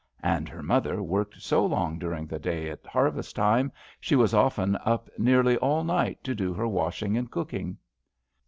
And her mother worked so long during the day at harvest time, she was often up nearly all night to do her washing and cooking.